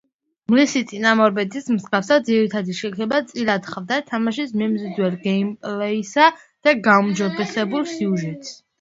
მისი წინამორბედის მსგავსად ძირითადი შექება წილად ჰხვდა თამაშის მიმზიდველ გეიმპლეისა და გაუმჯობესებულ სიუჟეტს.